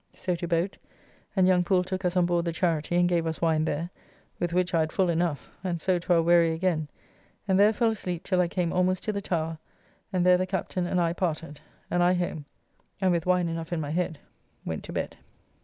So to boat, and young Poole took us on board the Charity and gave us wine there, with which I had full enough, and so to our wherry again, and there fell asleep till I came almost to the Tower, and there the Captain and I parted, and I home and with wine enough in my head, went to bed.